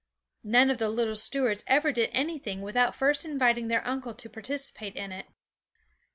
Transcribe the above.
None of the little Stuarts ever did anything without first inviting their uncle to participate in it.